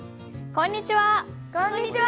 こんにちは！